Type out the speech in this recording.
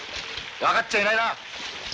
分かっちゃいないな！